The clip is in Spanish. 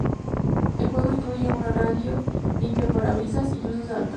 El juego incluye una radio, limpia parabrisas y luces altas.